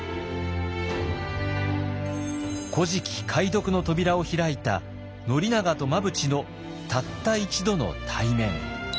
「古事記」解読の扉を開いた宣長と真淵のたった一度の対面。